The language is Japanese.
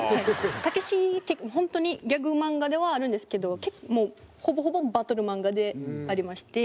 『たけし』って本当にギャグ漫画ではあるんですけどほぼほぼバトル漫画でありまして。